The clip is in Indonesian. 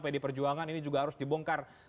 pd perjuangan ini juga harus dibongkar